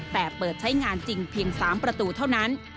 แต่เปิดใช้งานจริงเพียง๓ประตูเท่านั้น